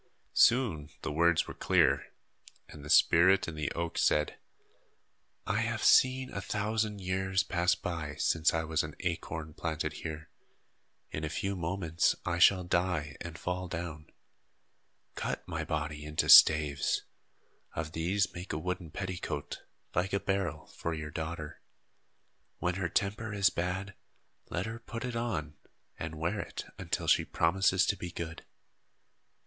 Soon the words were clear, and the spirit in the oak said: "I have seen a thousand years pass by, since I was an acorn planted here. In a few moments I shall die and fall down. Cut my body into staves. Of these make a wooden petticoat, like a barrel, for your daughter. When her temper is bad, let her put it on and wear it until she promises to be good."